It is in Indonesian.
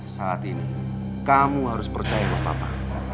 saat ini kamu harus percaya sama papa